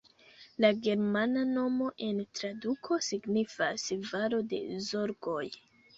La germana nomo en traduko signifas valo de zorgoj.